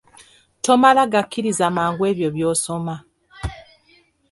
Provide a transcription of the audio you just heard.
Tomala gakkiriza mangu ebyo by'osoma.